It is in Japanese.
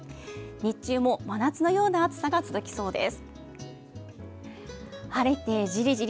日中も真夏のような暑さが続きそうです。